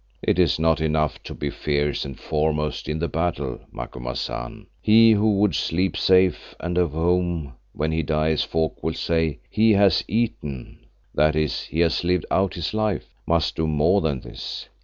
It is not enough to be fierce and foremost in the battle, Macumazahn. He who would sleep safe and of whom, when he dies, folk will say 'He has eaten' (i.e., he has lived out his life), must do more than this.